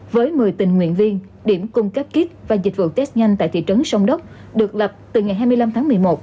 với một mươi tình nguyện viên điểm cung cấp kíp và dịch vụ test nhanh tại thị trấn sông đốc được lập từ ngày hai mươi năm tháng một mươi một